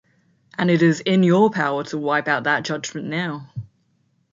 And it is in your power to wipe out that judgment now.